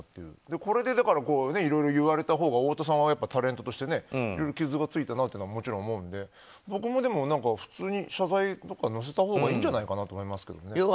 これでいろいろなこと言われたほうが太田さんはタレントとして傷がついたなというのはもちろん思うので僕も普通に謝罪とか載せたほうがいいんじゃないかと思いますけどね。